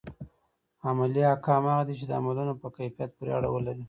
عملي احکام هغه دي چي د عملونو په کيفيت پوري اړه لري.